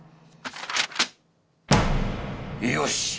よし！